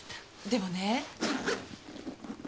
でもね。